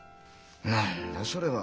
何だそれは。